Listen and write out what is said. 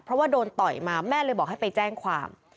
เพราะว่าโดนต่อยมาแม่เลยบอกให้ไปแจ้งความ